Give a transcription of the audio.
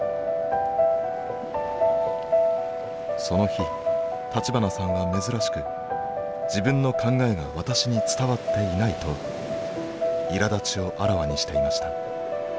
その日立花さんは珍しく自分の考えが私に伝わっていないといらだちをあらわにしていました。